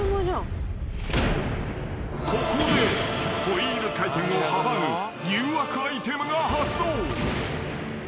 ［ここでホイール回転を阻む誘惑アイテムが発動］